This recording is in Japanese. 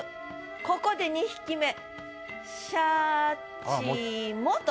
ここで２匹目「シャチも」と。